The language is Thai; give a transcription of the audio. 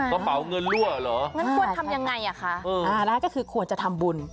กระเป๋าเงินรั่วเหรอ